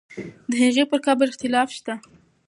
د هغې پر قبر اختلاف شته.